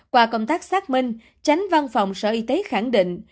qua công tác xác minh tránh văn phòng sở y tế khẳng định